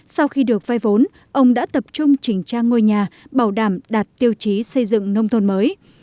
sau khi được vay vốn ông đã tập trung chỉnh trang ngôi nhà bảo đảm đạt tiêu chí xây dựng nông thôn mới